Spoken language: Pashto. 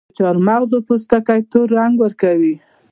د چارمغز پوستکي تور رنګ ورکوي.